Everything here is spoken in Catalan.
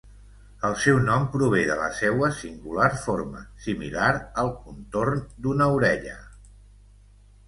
El seu nom prové de la seua singular forma, similar al contorn d'una orella.